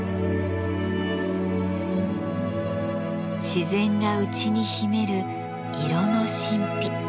自然が内に秘める色の神秘。